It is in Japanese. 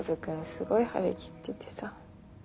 すごい張り切っててさ。